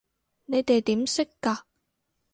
你哋點識㗎？